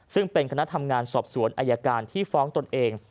ซึ่งเป็นคณะทำงานสอบสวนอายการที่ฟ้องตนเอง